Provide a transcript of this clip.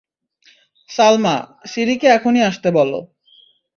সালমা, সিরিকে এখনই আসতে বলো।